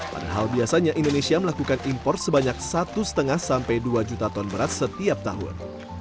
padahal biasanya indonesia melakukan impor sebanyak satu lima sampai dua juta ton beras setiap tahun